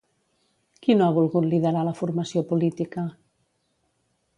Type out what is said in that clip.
Qui no ha volgut liderar la formació política?